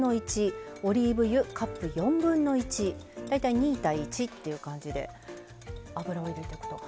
大体２対１という感じで油を入れていくと。